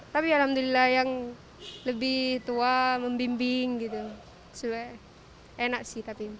tapi alhamdulillah yang lebih tua membimbing enak sih